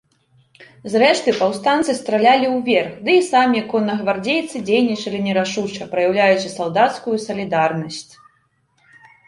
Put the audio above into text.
Зрэшты, паўстанцы стралялі ўверх, ды і самі коннагвардзейцы дзейнічалі нерашуча, праяўляючы салдацкую салідарнасць.